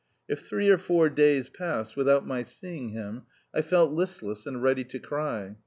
If three or four days passed without my seeing him I felt listless and ready to cry.